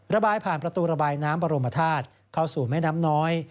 ระบายผ่านประตูระบายน้ำบรมธาตุเข้าสู่แม่น้ำน้อย